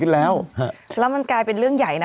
แล้วแล้วมันกลายเป็นเรื่องใหญ่นะ